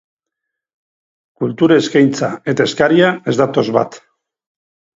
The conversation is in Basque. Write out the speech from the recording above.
Kultura eskaintza eta eskaria ez datoz bat.